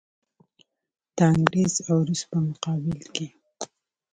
د انګریز او روس په مقابل کې.